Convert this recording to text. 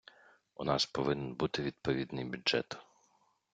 У нас повинен бути відповідний бюджет.